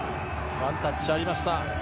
ワンタッチありました。